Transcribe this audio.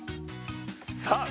さあ